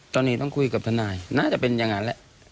ตอนนี้ต้องคุยกับทนายน่าจะเป็นอย่างนั้นแหละ